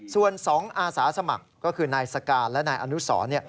ส่วน๒อาสาสมัครก็คือนายสการและนายอนุสร